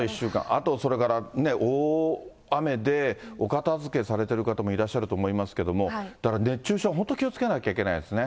あとそれから、大雨で、お片づけされてる方もいらっしゃると思いますけれども、だから熱中症、本当に気をつけなきゃいけないですね。